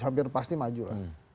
hampir pasti maju lah